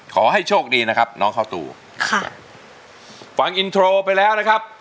ขอให้โชคดีนะครับน้องข้าวตูค่ะฟังอินโทรไปแล้วนะครับ